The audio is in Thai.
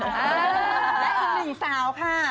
และอีกหนึ่งสาวค่ะ